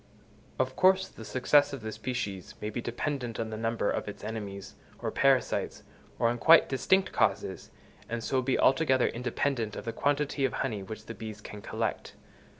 Of course the success of the species may be dependent on the number of its enemies, or parasites, or on quite distinct causes, and so be altogether independent of the quantity of honey which the bees can collect.